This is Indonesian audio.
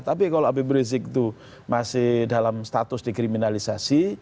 tapi kalau habib rizik itu masih dalam status dikriminalisasi